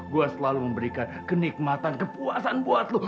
gue selalu memberikan kenikmatan kepuasan buat lo